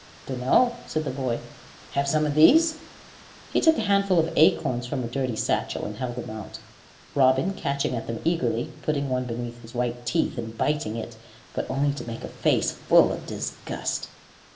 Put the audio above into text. "Dunno," said the boy. "Have some of these?" He took a handful of acorns from a dirty satchel, and held them out, Robin catching at them eagerly, putting one between his white teeth, and biting it, but only to make a face full of disgust.